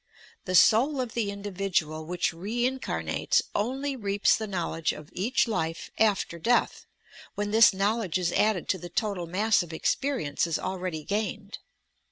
The soul of the individual which reincarnates only reaps the knowledge of each life after death, when this knowledge is added to the total mass of experiences already gained.